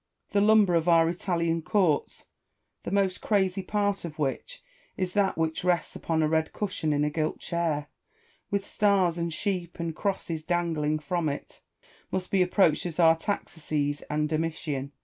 Tlio lumber of our Italian courts, the most crazy part of which is that which rests upon a red cushion in a gilt chair, with stars and sheep and crosses dangling from it, must be approached as Artaxerxes and Domitian.